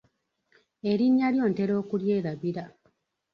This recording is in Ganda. Erinnya lyo ntera okulyerabira.